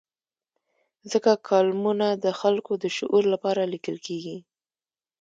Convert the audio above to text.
ځکه کالمونه د خلکو د شعور لپاره لیکل کېږي.